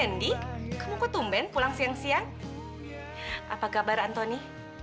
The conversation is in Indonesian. andy kamu kok tumben pulang siang siang apa kabar anthony